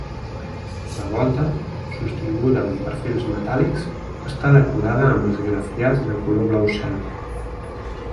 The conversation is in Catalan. La volta, sostinguda amb perfils metàl·lics, està decorada amb esgrafiats de color blau cel.